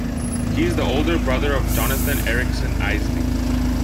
He is the older brother of Jonathan Erickson Eisley.